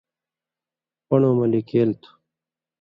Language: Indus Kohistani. پَن٘ڑؤں مہ لِکیل تُھو